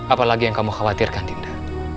apalagi yang kamu khawatirkan dinda